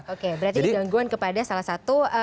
oke berarti ini gangguan kepada salah satu